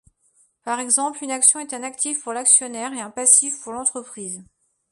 Par exemple, une action est un actif pour l'actionnaire et un passif pour l'entreprise.